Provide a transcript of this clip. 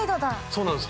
そうなんです。